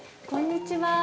こんにちは。